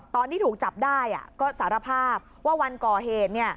ตอนที่ถูกจับได้ก็สารภาพว่าวันก่อเหตุ